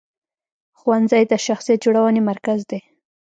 ښوونځی د شخصیت جوړونې مرکز دی.